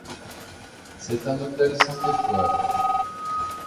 C'est un hôtel cinq étoiles.